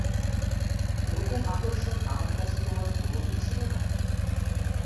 ওরকম আকর্ষণ আমার কাছে তোমার কোনোদিন ছিল না?